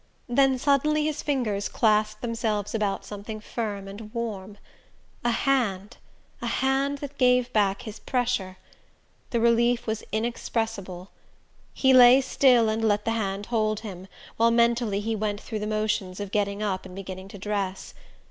Then suddenly his fingers clasped themselves about something firm and warm. A hand: a hand that gave back his pressure! The relief was inexpressible. He lay still and let the hand hold him, while mentally he went through the motions of getting up and beginning to dress.